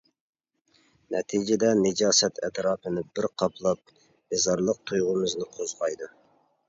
نەتىجىدە، نىجاسەت ئەتراپىنى بىر قاپلاپ، بىزارلىق تۇيغۇمىزنى قوزغايدۇ.